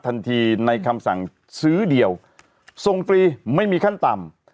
ทันทีในคำสั่งซื้อเดียวส่งฟรีไม่มีขั้นต่ำ